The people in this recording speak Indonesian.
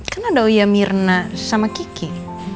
kan ada uya mirna sama kiki